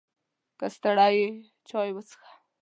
که ستړی یې، چای وڅښه!